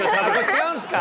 違うんですか？